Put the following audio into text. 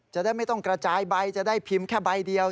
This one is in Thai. จะได้ไม่ต้องกระจายใบจะได้พิมพ์แค่ใบเดียว